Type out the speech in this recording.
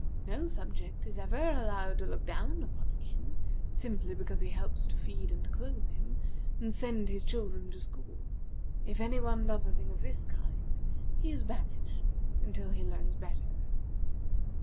No subject is ever allowed to look down upon a king, simply because he helps to feed and clothe him, and send his children to school. If any one does a thing of this kind, he is banished until he learns better."